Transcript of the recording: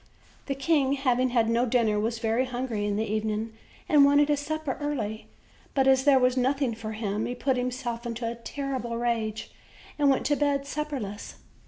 The king having had no dinner, was very hungry in the evening and wanted his supper early; but as there as nothing for him, he put himself into a terrible rage and went to bed supperless.